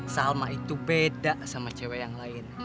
salma itu beda sama cewek yang lain